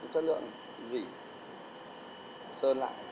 chất lượng dĩ sơn lại